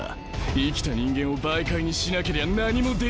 生きた人間を媒介にしなけりゃ何もできない。